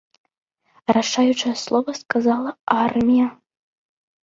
Рашаючае слова сказала армія.